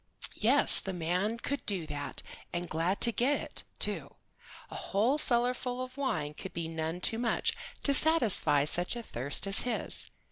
Yes, the man could do that, and glad to get it, too. A whole cellar full of wine would be none too much to satisfy such a thirst as his.